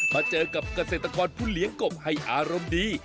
มาเจอกับเกษตรกรผู้เลี้ยงกบให้อารมณ์ดี